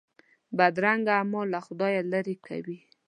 بدرنګه اعمال له خدایه لیرې کوي